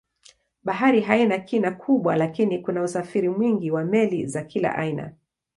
Bahari haina kina kubwa lakini kuna usafiri mwingi wa meli za kila aina.